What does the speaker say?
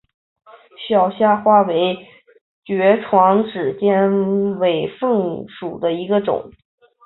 小虾花为爵床科尖尾凤属下的一个种。